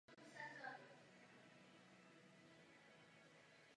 Nové uzly je třeba registrovat u registrační autority uzlu.